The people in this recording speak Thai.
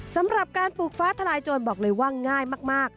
สำหรับการปลูกฟ้าทลายโจรบอกเลยว่าง่ายมาก